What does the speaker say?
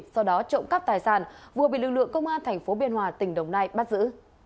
sau đó trộm cắp tài sản vừa bị lực lượng công an tp biên hòa tỉnh đồng nai bắt giữ